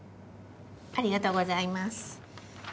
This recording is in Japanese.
ありがとうございます。